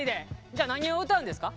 じゃあ何を歌うんですか？